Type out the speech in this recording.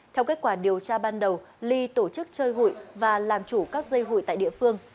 theo kết quả điều tra ban đầu ly tổ chức chơi hụi và làm chủ các dây hụi tại địa phương